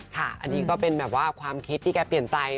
ค่ะอันนี้ก็เป็นแบบว่าความคิดที่แกเปลี่ยนใจ